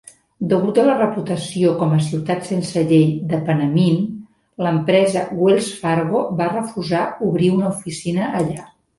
Degut a la reputació com a ciutat sense llei de Panamint, l'empresa Wells Fargo va refusar obrir una oficina allà.